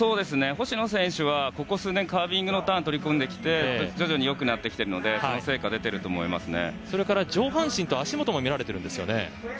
星野選手は、ここ数年カービングのターンに取り組んできて徐々に良くなってきているのでそれから上半身と足元も見られているんですよね。